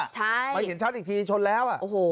ใช่มาเห็นชั้นอีกทีชนแล้วอ่ะโอ้โห